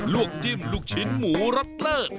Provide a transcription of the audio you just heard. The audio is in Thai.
ลวกจิ้มลูกชิ้นหมูรอตเลอร์